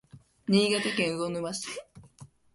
新潟県魚沼市